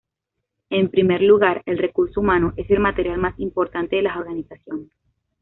En primer lugar, el recurso humano es el material más importante de las organizaciones.